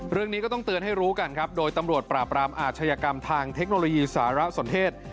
เรื่องนี้ก็ต้องเตือนให้รู้กันครับโดยตำรวจปราบรามอาชญากรรมทางเทคโนโลยีสารสนเทศ